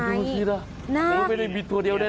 ไม่ดูทิศอะแล้วไม่ได้มีตัวเดียวแน่